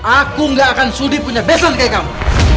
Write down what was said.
aku gak akan sudi punya besan kayak kamu